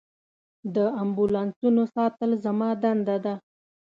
د امبولانسونو ساتل زما دنده ده.